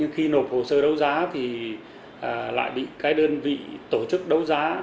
khi nộp hồ sơ đấu giá thì lại bị cái đơn vị tổ chức đấu giá